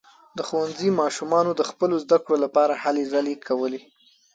د ښوونځي ماشومانو د خپلو زده کړو لپاره هلې ځلې کولې.